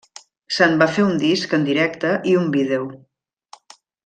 Se'n va fer un disc en directe i un vídeo.